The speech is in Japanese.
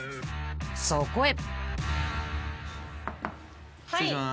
［そこへ］